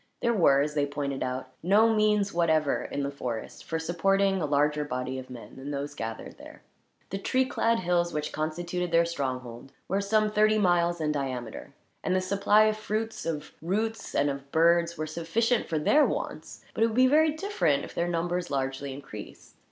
There were, as they pointed out, no means whatever in the forest for supporting a larger body of men than those gathered there. The tree clad hills which constituted their stronghold were some thirty miles in diameter; and the supply of fruits, of roots, and of birds were sufficient for their wants; but it would be very different, were their numbers largely increased.